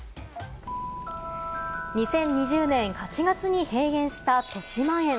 ２０２０年８月に閉園した、としまえん。